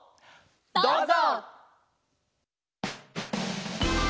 どうぞ！